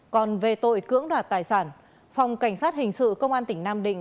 còn về tội cưỡng đoạt tài sản phòng cảnh sát hình sự công an tỉnh nam định